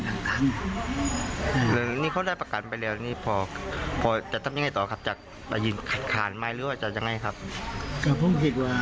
ไปคัดคารหรือไม่อาจจะไปคัดคารแข่งทาง